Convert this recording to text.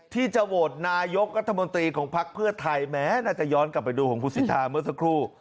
ที่จะโหวตนายกรัฐมนตรีของภักดิ์เพื่อไทยแม้น่าจะย้อนกลับไปดูของคุณสิทธาเมื่อสักครู่